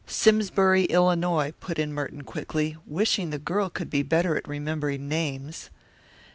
"Simsbury, Illinois," put in Merton quickly, wishing the girl could be better at remembering names.